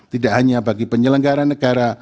tidak hanya bagi penyelenggara negara